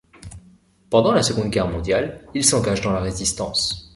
Pendant la Seconde Guerre mondiale, il s'engage dans la résistance.